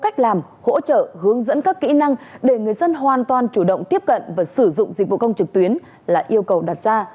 cách làm hỗ trợ hướng dẫn các kỹ năng để người dân hoàn toàn chủ động tiếp cận và sử dụng dịch vụ công trực tuyến là yêu cầu đặt ra